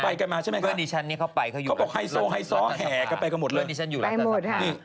ไปกันมาใช่ไหมคะเพื่อนดิฉันนี่เขาไปเขาอยู่รัฐศัพท์ค่ะรัฐศัพท์ค่ะเพื่อนดิฉันอยู่รัฐศัพท์ค่ะ